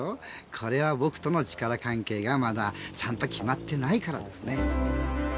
これは僕との力関係がまだ、ちゃんと決まっていないからですね。